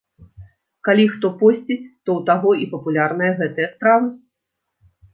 Калі хто посціць, то ў таго і папулярныя гэтыя стравы.